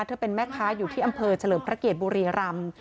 เป็นแม่ค้าอยู่ที่อำเภอเฉลิมพระเกียรติบุรีรำ